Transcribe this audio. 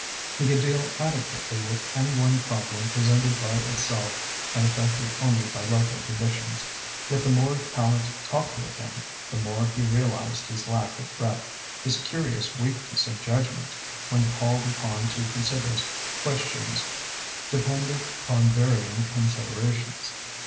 He could deal adequately with any one problem presented by itself and affected only by local conditions, yet the more Tallente talked with him, the more he realised his lack of breadth, his curious weakness of judgment when called upon to consider questions dependent upon varying considerations.